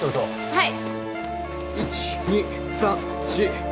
・はい。